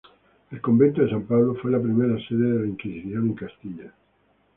El Convento de San Pablo fue la primera sede de la Inquisición en Castilla.